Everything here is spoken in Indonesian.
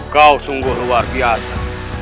kau sungguh luar biasa